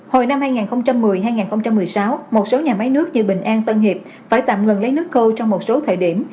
hồi năm hai nghìn một mươi hai nghìn một mươi sáu một số nhà máy nước như bình an tân hiệp phải tạm ngừng lấy nước khâu trong một số thời điểm